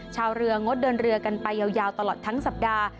ชาวเรืองดเดินเรือกันไปยาวตลอดทั้งสัปดาห์